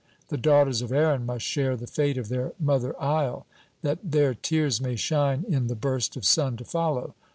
The daughters' of Erin must share the fate of their mother Isle, that their tears may shine in the burst of sun to follow.